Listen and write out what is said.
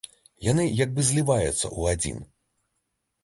Яны як бы зліваюцца ў адзін.